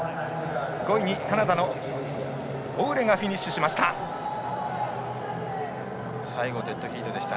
５位にカナダのオウレがフィニッシュしました。